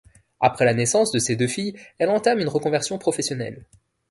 Après la naissance de ses deux filles, elle entame une reconversion professionnelle.